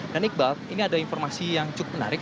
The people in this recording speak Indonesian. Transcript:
dan iqbal ini ada informasi yang cukup menarik